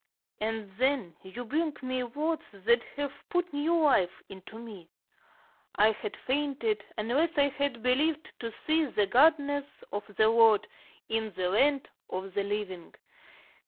And then you bring me words that have put new life into me. 'I had fainted, unless I had believed to see the goodness of the Lord in the land of the living.'